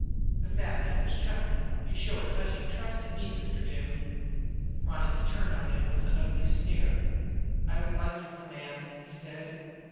The fat man was chuckling: "You show a touching trust in me, Mr. Doone." Ronicky turned on him with an ugly sneer. "I don't like you, Fernand," he said.